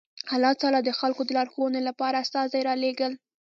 الله تعالی د خلکو د لارښوونې لپاره استازي رالېږل